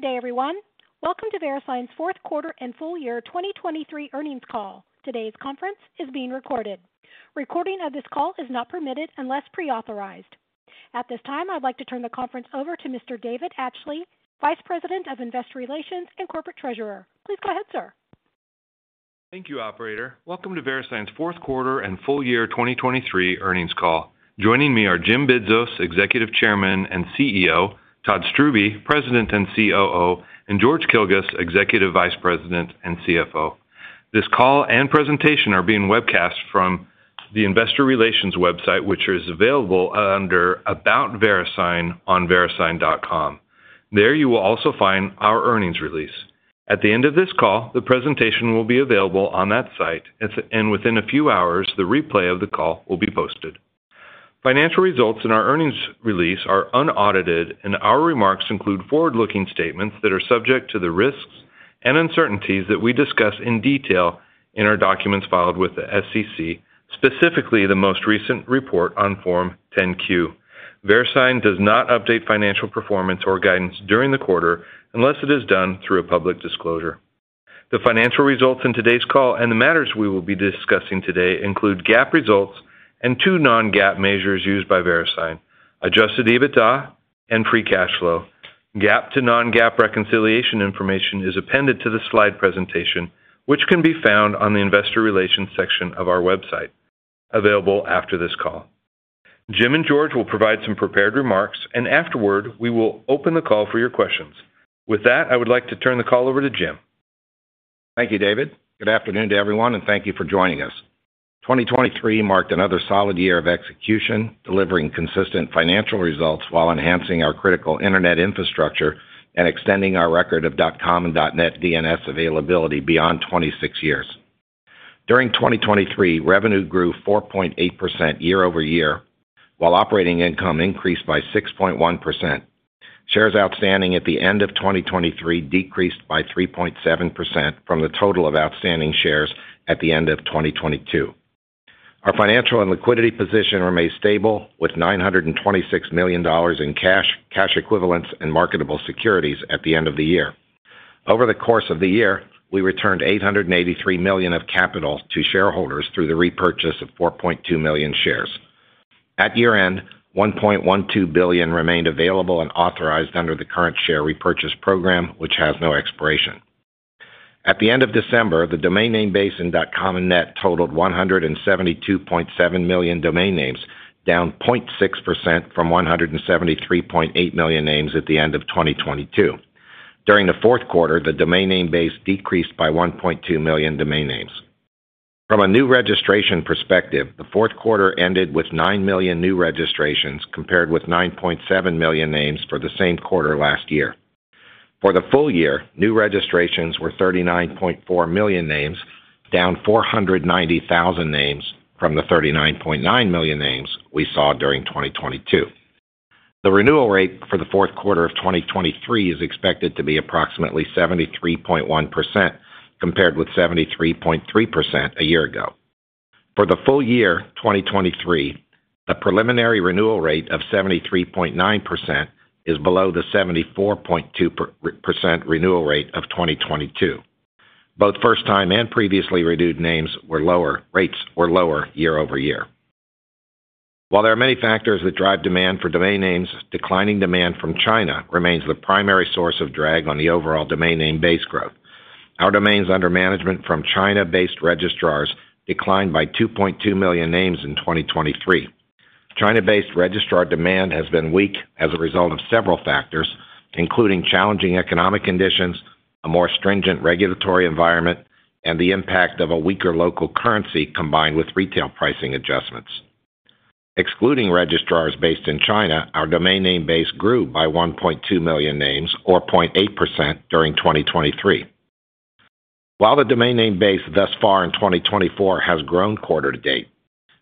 Hey everyone, welcome to VeriSign's fourth quarter and full year 2023 earnings call. Today's conference is being recorded. Recording of this call is not permitted unless pre-authorized. At this time, I'd like to turn the conference over to Mr. David Atchley, Vice President of Investor Relations and Corporate Treasurer. Please go ahead, sir. Thank you, operator. Welcome to VeriSign's fourth quarter and full year 2023 earnings call. Joining me are Jim Bidzos, Executive Chairman and CEO; Todd Strubbe, President and COO; and George Kilguss, Executive Vice President and CFO. This call and presentation are being webcast from the Investor Relations website, which is available under About VeriSign on verisign.com. There you will also find our earnings release. At the end of this call, the presentation will be available on that site, and within a few hours, the replay of the call will be posted. Financial results in our earnings release are unaudited, and our remarks include forward-looking statements that are subject to the risks and uncertainties that we discuss in detail in our documents filed with the SEC, specifically the most recent report on Form 10-Q. VeriSign does not update financial performance or guidance during the quarter unless it is done through a public disclosure. The financial results in today's call and the matters we will be discussing today include GAAP results and two non-GAAP measures used by VeriSign: adjusted EBITDA and free cash flow. GAAP to non-GAAP reconciliation information is appended to the slide presentation, which can be found on the Investor Relations section of our website, available after this call. Jim and George will provide some prepared remarks, and afterward, we will open the call for your questions. With that, I would like to turn the call over to Jim. Thank you, David. Good afternoon to everyone, and thank you for joining us. 2023 marked another solid year of execution, delivering consistent financial results while enhancing our critical internet infrastructure and extending our record of .com and .net DNS availability beyond 26 years. During 2023, revenue grew 4.8% year-over-year, while operating income increased by 6.1%. Shares outstanding at the end of 2023 decreased by 3.7% from the total of outstanding shares at the end of 2022. Our financial and liquidity position remained stable, with $926 million in cash, cash equivalents, and marketable securities at the end of the year. Over the course of the year, we returned $883 million of capital to shareholders through the repurchase of 4.2 million shares. At year-end, $1.12 billion remained available and authorized under the current share repurchase program, which has no expiration. At the end of December, the domain name base in .com and .net totaled 172.7 million domain names, down 0.6% from 173.8 million names at the end of 2022. During the fourth quarter, the domain name base decreased by 1.2 million domain names. From a new registration perspective, the fourth quarter ended with nine million new registrations compared with 9.7 million names for the same quarter last year. For the full year, new registrations were 39.4 million names, down 490,000 names from the 39.9 million names we saw during 2022. The renewal rate for the fourth quarter of 2023 is expected to be approximately 73.1% compared with 73.3% a year ago. For the full year 2023, the preliminary renewal rate of 73.9% is below the 74.2% renewal rate of 2022. Both first-time and previously renewed names were lower. Rates were lower year-over-year. While there are many factors that drive demand for domain names, declining demand from China remains the primary source of drag on the overall domain name base growth. Our domains under management from China-based registrars declined by 2.2 million names in 2023. China-based registrar demand has been weak as a result of several factors, including challenging economic conditions, a more stringent regulatory environment, and the impact of a weaker local currency combined with retail pricing adjustments. Excluding registrars based in China, our domain name base grew by 1.2 million names, or 0.8%, during 2023. While the domain name base thus far in 2024 has grown quarter to date,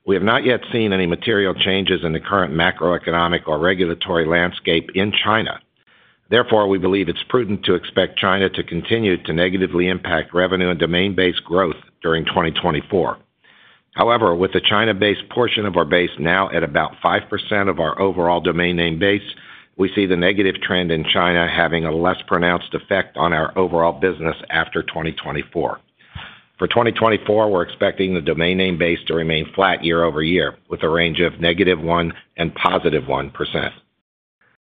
we have not yet seen any material changes in the current macroeconomic or regulatory landscape in China. Therefore, we believe it's prudent to expect China to continue to negatively impact revenue and domain base growth during 2024. However, with the China-based portion of our base now at about 5% of our overall domain name base, we see the negative trend in China having a less pronounced effect on our overall business after 2024. For 2024, we're expecting the domain name base to remain flat year-over-year, with a range of -1% to +1%.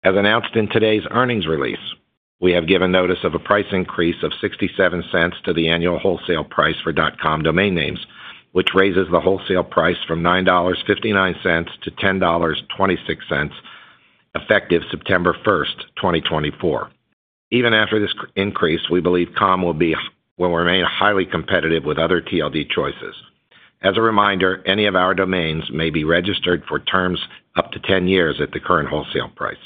As announced in today's earnings release, we have given notice of a price increase of $0.67 to the annual wholesale price for .com domain names, which raises the wholesale price from $9.59-$10.26, effective September 1st, 2024. Even after this increase, we believe .com will remain highly competitive with other TLD choices. As a reminder, any of our domains may be registered for terms up to 10 years at the current wholesale price.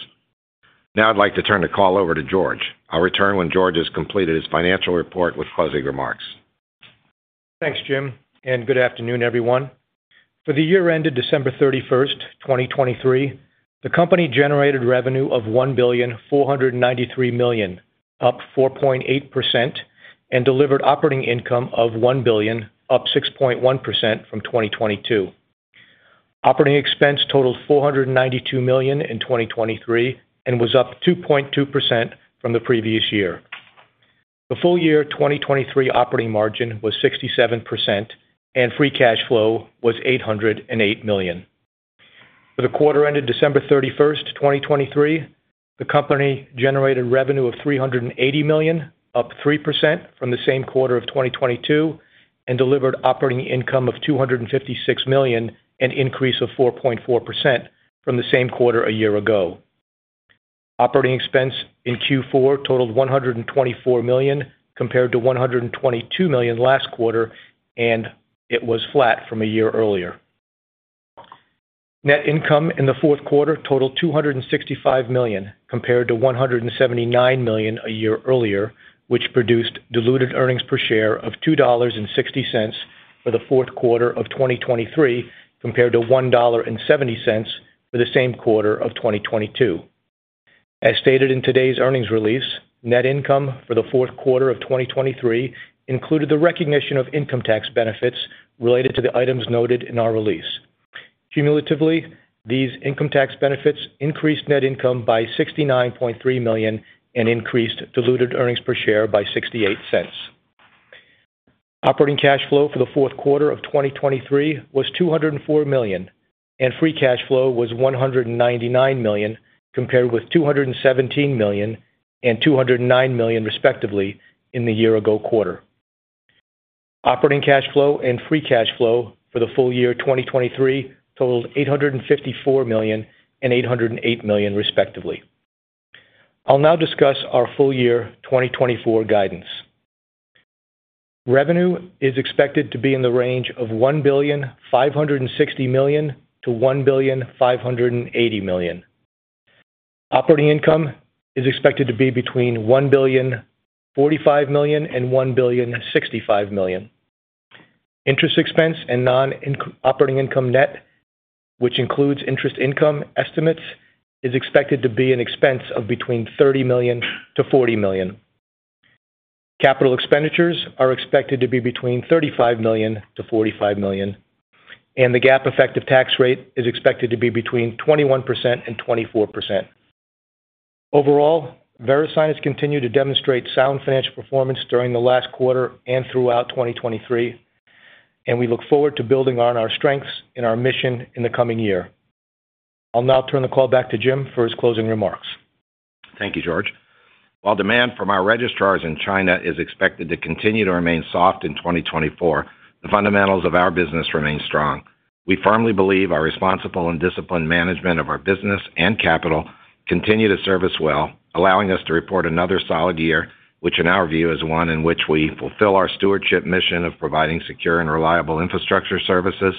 Now I'd like to turn the call over to George. I'll return when George has completed his financial report with closing remarks. Thanks, Jim, and good afternoon, everyone. For the year-ended December 31st, 2023, the company generated revenue of $1,493 million, up 4.8%, and delivered operating income of $1 billion, up 6.1% from 2022. Operating expense totaled $492 million in 2023 and was up 2.2% from the previous year. The full year 2023 operating margin was 67%, and free cash flow was $808 million. For the quarter-ended December 31st, 2023, the company generated revenue of $380 million, up 3% from the same quarter of 2022, and delivered operating income of $256 million, an increase of 4.4% from the same quarter a year ago. Operating expense in Q4 totaled $124 million compared to $122 million last quarter, and it was flat from a year earlier. Net income in the fourth quarter totaled $265 million compared to $179 million a year earlier, which produced diluted earnings per share of $2.60 for the fourth quarter of 2023 compared to $1.70 for the same quarter of 2022. As stated in today's earnings release, net income for the fourth quarter of 2023 included the recognition of income tax benefits related to the items noted in our release. Cumulatively, these income tax benefits increased net income by $69.3 million and increased diluted earnings per share by $0.68. Operating cash flow for the fourth quarter of 2023 was $204 million, and free cash flow was $199 million compared with $217 million and $209 million, respectively, in the year-ago quarter. Operating cash flow and free cash flow for the full year 2023 totaled $854 million and $808 million, respectively. I'll now discuss our full year 2024 guidance. Revenue is expected to be in the range of $1.56 billion-$1.56 billion. Operating income is expected to be between $1.045 billion and $1.065 billion. Interest expense and non-operating income net, which includes interest income estimates, is expected to be an expense of between $30 million-$40 million. Capital expenditures are expected to be between $35 million-$45 million, and the GAAP effective tax rate is expected to be between 21% and 24%. Overall, VeriSign has continued to demonstrate sound financial performance during the last quarter and throughout 2023, and we look forward to building on our strengths in our mission in the coming year. I'll now turn the call back to Jim for his closing remarks. Thank you, George. While demand from our registrars in China is expected to continue to remain soft in 2024, the fundamentals of our business remain strong. We firmly believe our responsible and disciplined management of our business and capital continue to serve us well, allowing us to report another solid year, which in our view is one in which we fulfill our stewardship mission of providing secure and reliable infrastructure services,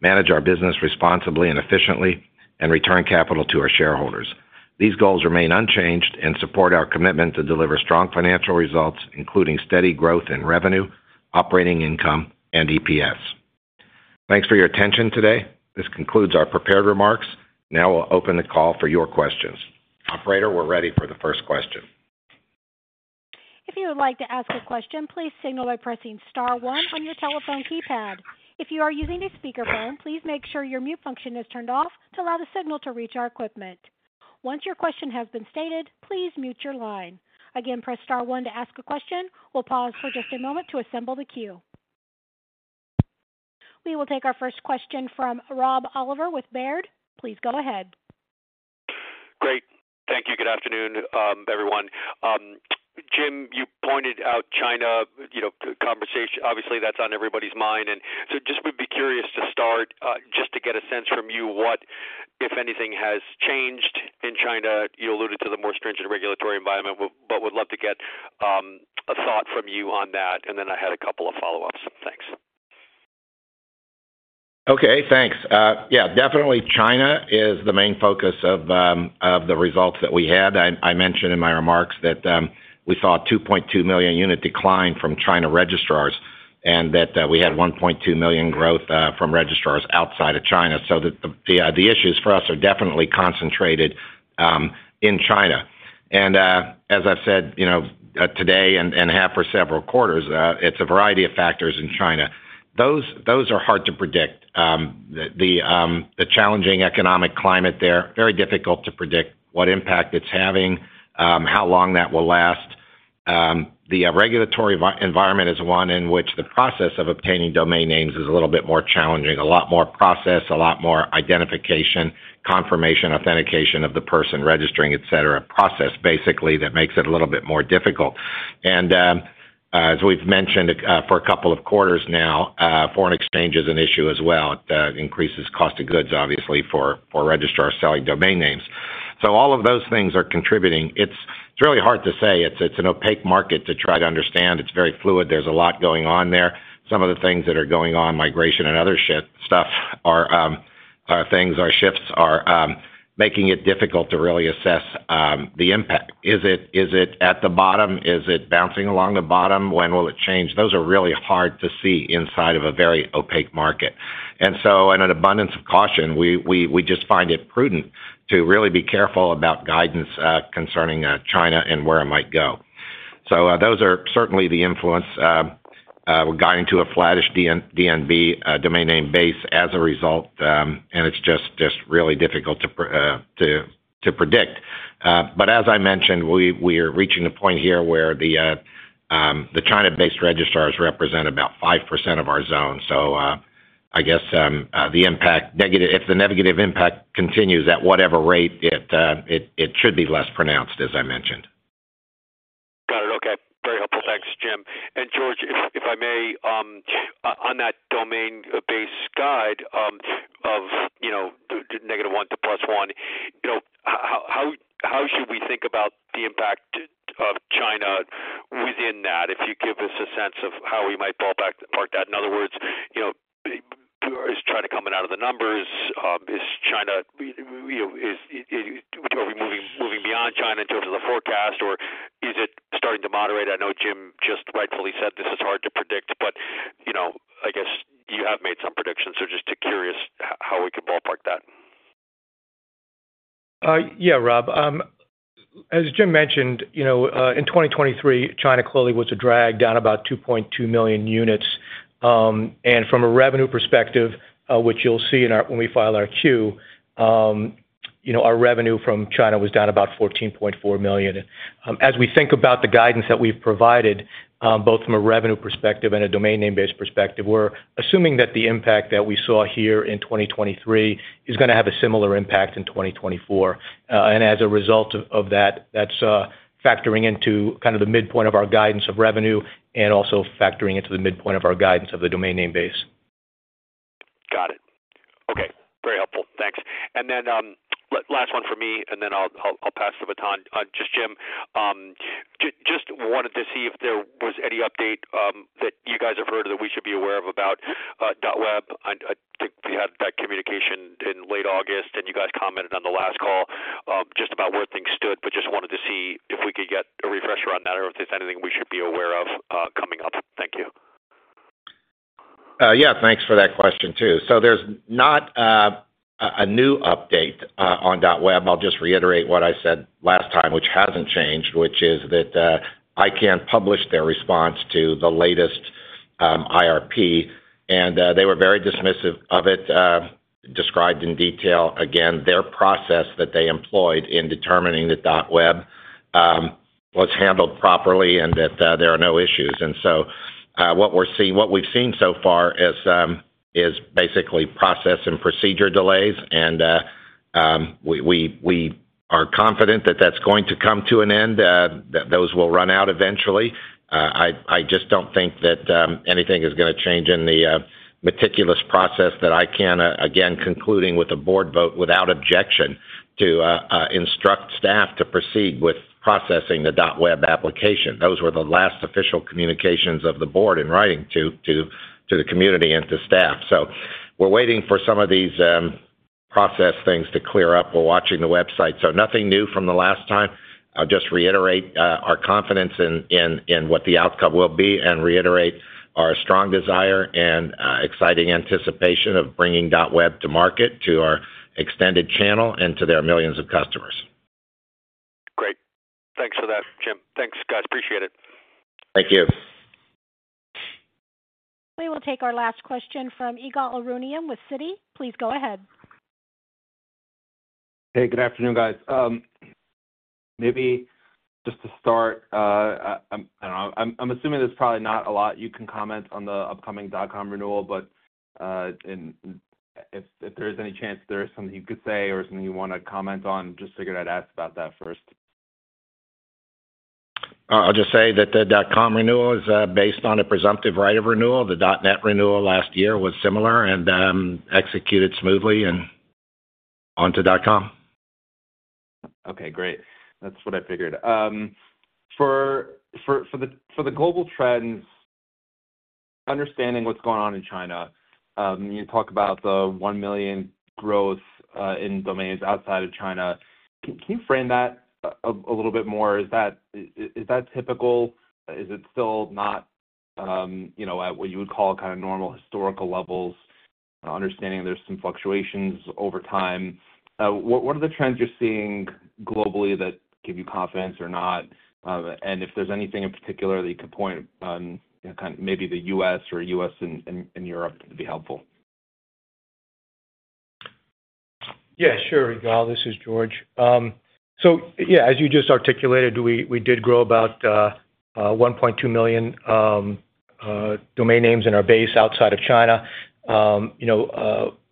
manage our business responsibly and efficiently, and return capital to our shareholders. These goals remain unchanged and support our commitment to deliver strong financial results, including steady growth in revenue, operating income, and EPS. Thanks for your attention today. This concludes our prepared remarks. Now we'll open the call for your questions. Operator, we're ready for the first question. If you would like to ask a question, please signal by pressing star one on your telephone keypad. If you are using a speakerphone, please make sure your mute function is turned off to allow the signal to reach our equipment. Once your question has been stated, please mute your line. Again, press star one to ask a question. We'll pause for just a moment to assemble the queue. We will take our first question from Rob Oliver with Baird. Please go ahead. Great. Thank you. Good afternoon, everyone. Jim, you pointed out China. Obviously, that's on everybody's mind. And so just we'd be curious to start, just to get a sense from you what, if anything, has changed in China. You alluded to the more stringent regulatory environment, but would love to get a thought from you on that, and then I had a couple of follow-ups. Thanks. Okay. Thanks. Yeah, definitely China is the main focus of the results that we had. I mentioned in my remarks that we saw a 2.2 million unit decline from China registrars and that we had 1.2 million growth from registrars outside of China. So the issues for us are definitely concentrated in China. And as I've said today and have for several quarters, it's a variety of factors in China. Those are hard to predict. The challenging economic climate there, very difficult to predict what impact it's having, how long that will last. The regulatory environment is one in which the process of obtaining domain names is a little bit more challenging, a lot more process, a lot more identification, confirmation, authentication of the person registering, etc., process basically that makes it a little bit more difficult. And as we've mentioned for a couple of quarters now, foreign exchange is an issue as well. It increases cost of goods, obviously, for registrars selling domain names. So all of those things are contributing. It's really hard to say. It's an opaque market to try to understand. It's very fluid. There's a lot going on there. Some of the things that are going on, migration and other stuff, are things, are shifts, are making it difficult to really assess the impact. Is it at the bottom? Is it bouncing along the bottom? When will it change? Those are really hard to see inside of a very opaque market. And so, and an abundance of caution, we just find it prudent to really be careful about guidance concerning China and where it might go. Those are certainly the influences guiding to a flattish DNB, domain name base as a result. It's just really difficult to predict. As I mentioned, we are reaching the point here where the China-based registrars represent about 5% of our zone. I guess the impact, if the negative impact continues at whatever rate, it should be less pronounced, as I mentioned. Got it. Okay. Very helpful. Thanks, Jim. And George, if I may, on that domain base guide of -1% to +1%, how should we think about the impact of China within that, if you give us a sense of how we might ballpark that? In other words, is China coming out of the numbers? Is China are we moving beyond China in terms of the forecast, or is it starting to moderate? I know Jim just rightfully said this is hard to predict, but I guess you have made some predictions. So just curious how we can ballpark that. Yeah, Rob. As Jim mentioned, in 2023, China clearly was a drag, down about 2.2 million units. And from a revenue perspective, which you'll see when we file our 10-Q, our revenue from China was down about $14.4 million. As we think about the guidance that we've provided, both from a revenue perspective and a domain name base perspective, we're assuming that the impact that we saw here in 2023 is going to have a similar impact in 2024. And as a result of that, that's factoring into kind of the midpoint of our guidance of revenue and also factoring into the midpoint of our guidance of the domain name base. Got it. Okay. Very helpful. Thanks. Then last one for me, and then I'll pass the baton on. Just Jim, just wanted to see if there was any update that you guys have heard that we should be aware of about .web. I think we had that communication in late August, and you guys commented on the last call just about where things stood, but just wanted to see if we could get a refresher on that or if there's anything we should be aware of coming up. Thank you. Yeah. Thanks for that question too. So there's not a new update on .web. I'll just reiterate what I said last time, which hasn't changed, which is that I can't publish their response to the latest IRP. And they were very dismissive of it, described in detail. Again, their process that they employed in determining that .web was handled properly and that there are no issues. And so what we've seen so far is basically process and procedure delays. And we are confident that that's going to come to an end, that those will run out eventually. I just don't think that anything is going to change in the meticulous process that ICANN, again, concluding with a board vote without objection to instruct staff to proceed with processing the .web application. Those were the last official communications of the board in writing to the community and to staff. We're waiting for some of these process things to clear up. We're watching the website. Nothing new from the last time. I'll just reiterate our confidence in what the outcome will be and reiterate our strong desire and exciting anticipation of bringing .web to market, to our extended channel, and to their millions of customers. Great. Thanks for that, Jim. Thanks, guys. Appreciate it. Thank you. We will take our last question from Ygal Arounian with Citi. Please go ahead. Hey, good afternoon, guys. Maybe just to start, I don't know. I'm assuming there's probably not a lot you can comment on the upcoming .com renewal, but if there is any chance there is something you could say or something you want to comment on, just figured I'd ask about that first. I'll just say that the .com renewal is based on a presumptive right of renewal. The .net renewal last year was similar and executed smoothly and onto .com. Okay. Great. That's what I figured. For the global trends, understanding what's going on in China, you talk about the one million growth in domains outside of China. Can you frame that a little bit more? Is that typical? Is it still not at what you would call kind of normal historical levels, understanding there's some fluctuations over time? What are the trends you're seeing globally that give you confidence or not? And if there's anything in particular that you could point on, kind of maybe the U.S. or U.S. and Europe to be helpful? Yeah. Sure, Ygal. This is George. So yeah, as you just articulated, we did grow about 1.2 million domain names in our base outside of China.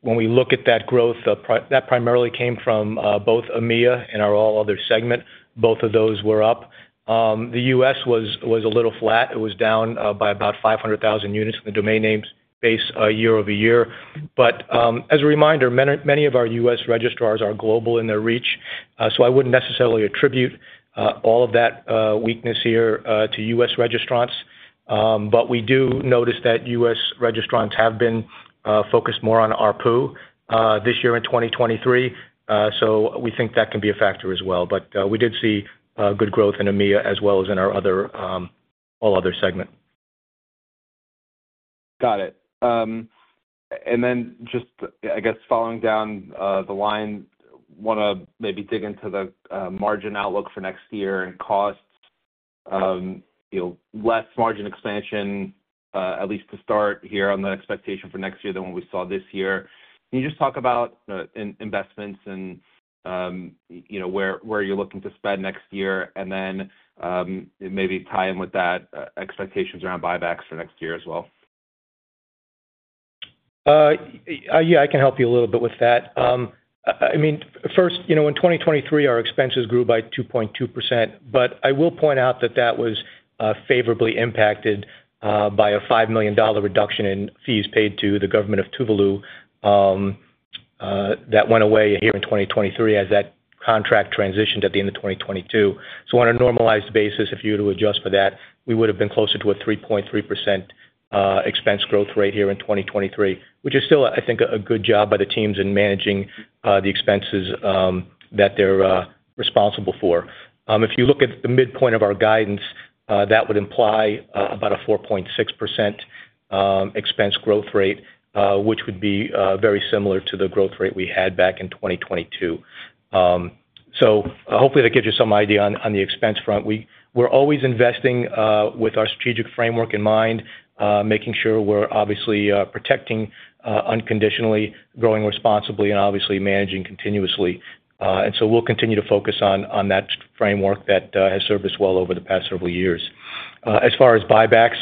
When we look at that growth, that primarily came from both EMEA and our all-other segment. Both of those were up. The U.S. was a little flat. It was down by about 500,000 units in the domain name base year-over-year. But as a reminder, many of our US registrars are global in their reach. So I wouldn't necessarily attribute all of that weakness here to US registrants. But we do notice that US registrants have been focused more on ARPU this year in 2023. So we think that can be a factor as well. But we did see good growth in EMEA as well as in our all-other segment. Got it. And then just, I guess, following down the line, want to maybe dig into the margin outlook for next year and costs. Less margin expansion, at least to start here on the expectation for next year than what we saw this year. Can you just talk about investments and where you're looking to spend next year and then maybe tie in with that expectations around buybacks for next year as well? Yeah, I can help you a little bit with that. I mean, first, in 2023, our expenses grew by 2.2%. But I will point out that that was favorably impacted by a $5 million reduction in fees paid to the government of Tuvalu that went away here in 2023 as that contract transitioned at the end of 2022. So on a normalized basis, if you were to adjust for that, we would have been closer to a 3.3% expense growth rate here in 2023, which is still, I think, a good job by the teams in managing the expenses that they're responsible for. If you look at the midpoint of our guidance, that would imply about a 4.6% expense growth rate, which would be very similar to the growth rate we had back in 2022. So hopefully, that gives you some idea on the expense front. We're always investing with our strategic framework in mind, making sure we're obviously protecting unconditionally, growing responsibly, and obviously managing continuously. And so we'll continue to focus on that framework that has served us well over the past several years. As far as buybacks,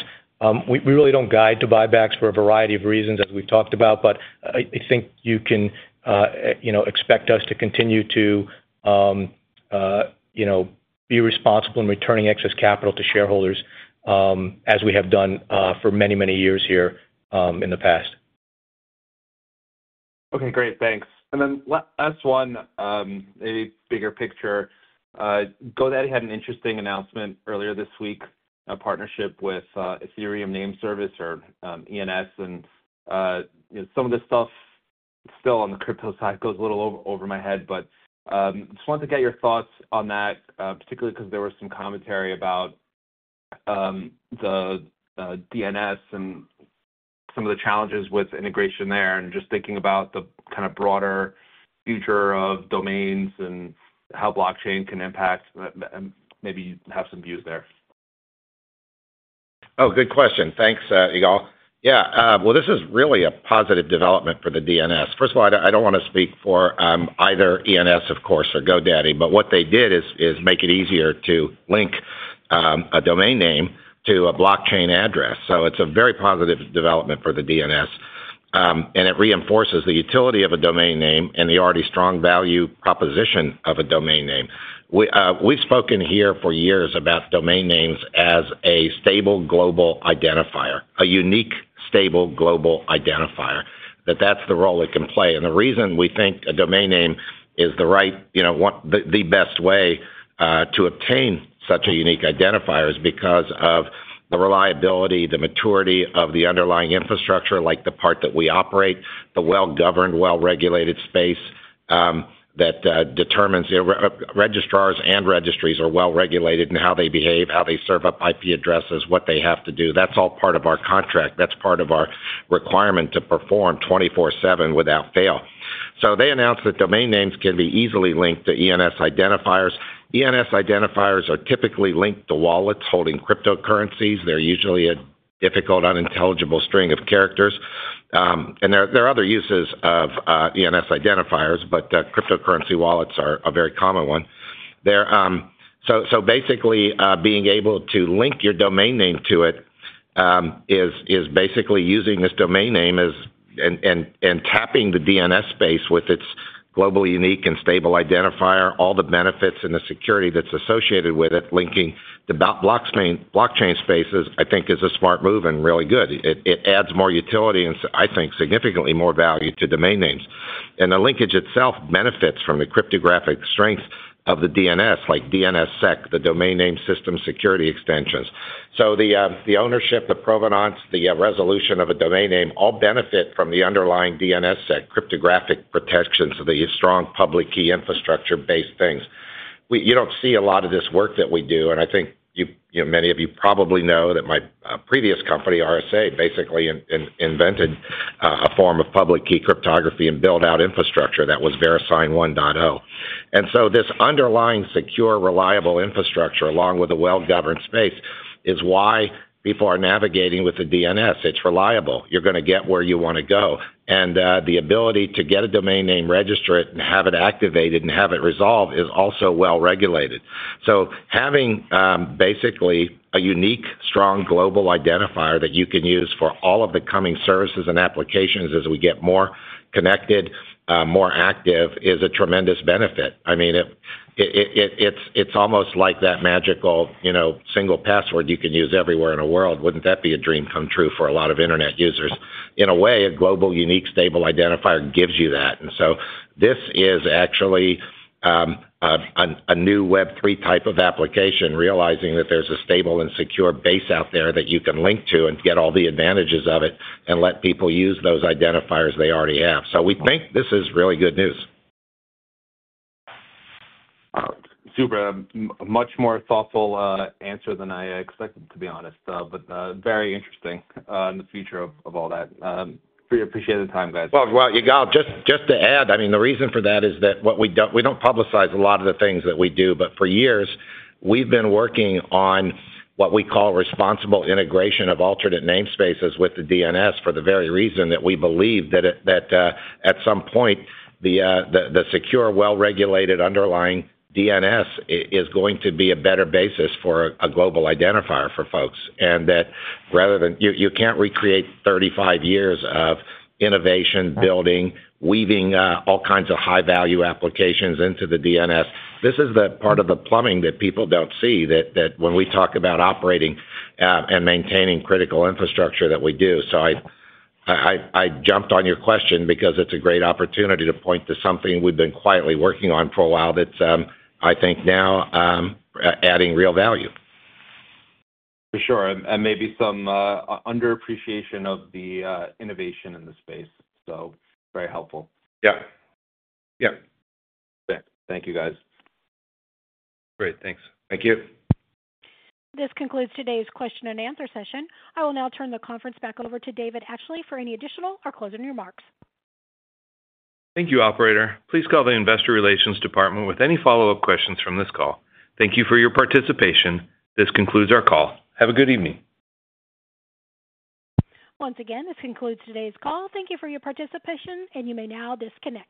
we really don't guide to buybacks for a variety of reasons, as we've talked about. But I think you can expect us to continue to be responsible in returning excess capital to shareholders as we have done for many, many years here in the past. Okay. Great. Thanks. And then last one, maybe bigger picture. GoDaddy had an interesting announcement earlier this week, a partnership with Ethereum Name Service or ENS. And some of this stuff still on the crypto side goes a little over my head. But just wanted to get your thoughts on that, particularly because there was some commentary about the DNS and some of the challenges with integration there and just thinking about the kind of broader future of domains and how blockchain can impact. Maybe have some views there. Oh, good question. Thanks, Ygal. Yeah. Well, this is really a positive development for the DNS. First of all, I don't want to speak for either ENS, of course, or GoDaddy. But what they did is make it easier to link a domain name to a blockchain address. So it's a very positive development for the DNS. And it reinforces the utility of a domain name and the already strong value proposition of a domain name. We've spoken here for years about domain names as a stable global identifier, a unique, stable global identifier, that that's the role it can play. And the reason we think a domain name is the right, the best way to obtain such a unique identifier is because of the reliability, the maturity of the underlying infrastructure, like the part that we operate, the well-governed, well-regulated space that determines registrars and registries are well-regulated and how they behave, how they serve up IP addresses, what they have to do. That's all part of our contract. That's part of our requirement to perform 24/7 without fail. So they announced that domain names can be easily linked to ENS identifiers. ENS identifiers are typically linked to wallets holding cryptocurrencies. They're usually a difficult, unintelligible string of characters. And there are other uses of ENS identifiers, but cryptocurrency wallets are a very common one. So basically, being able to link your domain name to it is basically using this domain name and tapping the DNS space with its globally unique and stable identifier, all the benefits and the security that's associated with it, linking to blockchain spaces, I think, is a smart move and really good. It adds more utility and, I think, significantly more value to domain names. And the linkage itself benefits from the cryptographic strengths of the DNS, like DNSSEC, the Domain Name System Security Extensions. So the ownership, the provenance, the resolution of a domain name, all benefit from the underlying DNSSEC, cryptographic protections, the strong public key infrastructure-based things. You don't see a lot of this work that we do. And I think many of you probably know that my previous company, RSA, basically invented a form of public key cryptography and built out infrastructure that was VeriSign 1.0. And so this underlying secure, reliable infrastructure, along with a well-governed space, is why people are navigating with the DNS. It's reliable. You're going to get where you want to go. And the ability to get a domain name, register it, and have it activated and have it resolved is also well-regulated. So having basically a unique, strong global identifier that you can use for all of the coming services and applications as we get more connected, more active, is a tremendous benefit. I mean, it's almost like that magical single password you can use everywhere in the world. Wouldn't that be a dream come true for a lot of internet users? In a way, a global, unique, stable identifier gives you that. And so this is actually a new Web3 type of application, realizing that there's a stable and secure base out there that you can link to and get all the advantages of it and let people use those identifiers they already have. So we think this is really good news. Super. Much more thoughtful answer than I expected, to be honest. But very interesting in the future of all that. Appreciate the time, guys. Well, Ygal, just to add, I mean, the reason for that is that we don't publicize a lot of the things that we do. But for years, we've been working on what we call responsible integration of alternate namespaces with the DNS for the very reason that we believe that at some point, the secure, well-regulated underlying DNS is going to be a better basis for a global identifier for folks. And that rather than you can't recreate 35 years of innovation, building, weaving all kinds of high-value applications into the DNS. This is the part of the plumbing that people don't see when we talk about operating and maintaining critical infrastructure that we do. So I jumped on your question because it's a great opportunity to point to something we've been quietly working on for a while that's, I think, now adding real value. For sure. And maybe some underappreciation of the innovation in the space. So very helpful. Yeah. Yeah. Thank you, guys. Great. Thanks. Thank you. This concludes today's question and answer session. I will now turn the conference back over to David Atchley for any additional or closing remarks. Thank you, operator. Please call the Investor Relations Department with any follow-up questions from this call. Thank you for your participation. This concludes our call. Have a good evening. Once again, this concludes today's call. Thank you for your participation. You may now disconnect.